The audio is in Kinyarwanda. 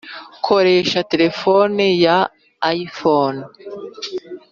nkoresha telephone ya iphone